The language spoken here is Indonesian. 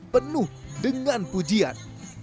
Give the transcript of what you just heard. penuh dengan pujian